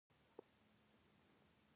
ښاغلی محق د مصادقو له یادولو ډډه کوي.